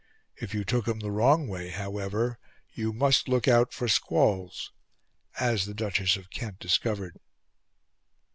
If you took him the wrong way, however, you must look out for squalls, as the Duchess of Kent discovered.